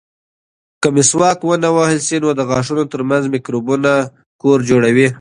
که مسواک ونه وهل شي، نو د غاښونو ترمنځ مکروبونه کور جوړوي.